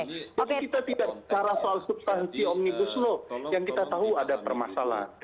tapi kita tidak bicara soal substansi omnibus law yang kita tahu ada permasalahan